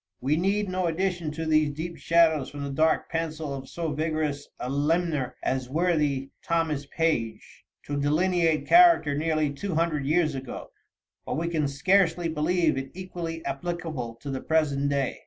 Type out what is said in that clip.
We need no addition to these deep shadows from the dark pencil of so vigorous a limner as worthy Thomas Page, to delineate character nearly two hundred years ago, but we can scarcely believe it equally applicable to the present day.